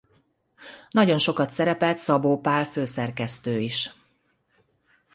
Nagyon sokat szerepelt Szabó Pál főszerkesztő is.